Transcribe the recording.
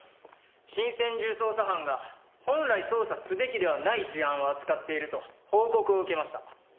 新専従捜査班が本来捜査すべきではない事案を扱っていると報告を受けました。